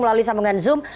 melalui sambungan zoom